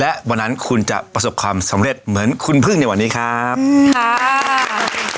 และวันนั้นคุณจะประสบความสำเร็จเหมือนคุณพึ่งในวันนี้ครับค่ะ